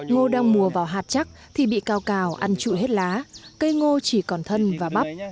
ngô đang mùa vào hạt chắc thì bị cao cào ăn trụi hết lá cây ngô chỉ còn thân và bắp